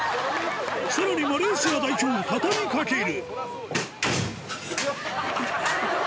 さらにマレーシア代表、畳みかける。